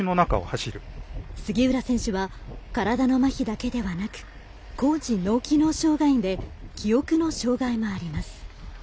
杉浦選手は体のまひだけではなく高次脳機能障がいで記憶の障がいもあります。